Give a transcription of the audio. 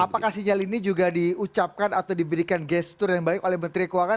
apakah sinyal ini juga diucapkan atau diberikan gestur yang baik oleh menteri keuangan